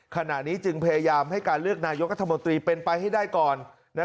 ขณะนี้จึงพยายามให้การเลือกนายกรัฐมนตรีเป็นไปให้ได้ก่อน